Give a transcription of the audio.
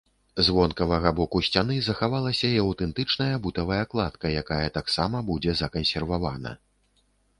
З вонкавага боку сцяны захавалася і аўтэнтычная бутавая кладка, якая таксама будзе закансервавана.